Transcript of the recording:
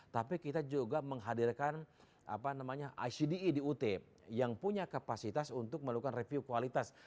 tapi kita juga menghadirkan icde di ut yang punya kapasitas untuk melakukan review kualitas